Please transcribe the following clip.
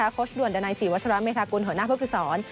โค้ชด่วนดันไนสี่วัชรัฐอเมฆากุลหัวหน้าภพฤษร